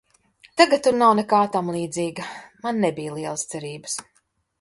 Tagad tur nav nekā tamlīdzīga, man nebija lielas cerības.